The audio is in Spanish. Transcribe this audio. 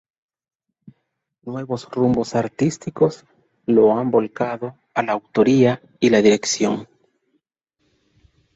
Nuevos rumbos artísticos lo han volcado a la autoría y la dirección.